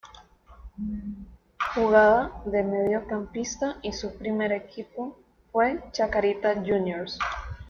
Jugaba de mediocampista y su primer equipo fue Chacarita Juniors.